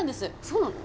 そうなの？